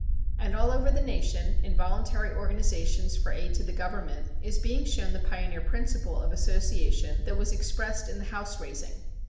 And all over the nation, in voluntary organizations for aid to the government, is being shown the pioneer principle of association that was expressed in the "house raising."